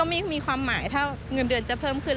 ไม่มีความหมายถ้าเงินเดือนจะเพิ่มขึ้น